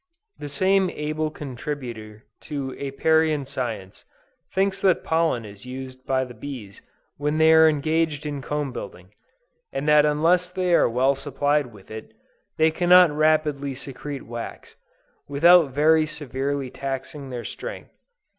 The same able contributor to Apiarian science, thinks that pollen is used by the bees when they are engaged in comb building; and that unless they are well supplied with it, they cannot rapidly secrete wax, without very severely taxing their strength.